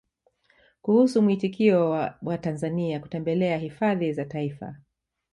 Kuhusu muitikio wa Watanzania kutembelea Hifadhi za Taifa